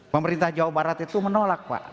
pemerintah jawa barat itu menolak pak